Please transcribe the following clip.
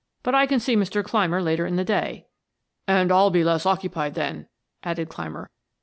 "But I can see Mr. Clymer later in the day." "And I'll be less occupied then," added Clymer.